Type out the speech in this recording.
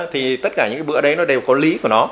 thì tất cả những bữa đấy nó đều có lý của nó